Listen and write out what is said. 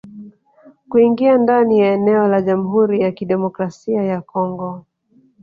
Kuingia ndani ya eneo la Jamhuri ya Kidemokrasia ya Kongo